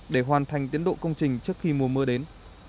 để hoàn thành tiến độ công trình trước khi mùa mưa đến